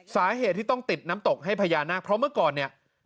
สาเหตุที่ต้องติดน้ำตกให้พญานาคเพราะเมื่อก่อนเนี่ย